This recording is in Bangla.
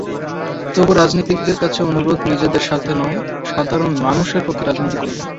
তবু রাজনীতিকদের কাছে অনুরোধ, নিজেদের স্বার্থে নয়, সাধারণ মানুষের পক্ষের রাজনীতি করুন।